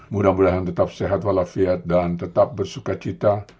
mudah mudahan tetap sehat walafiat dan tetap bersukacita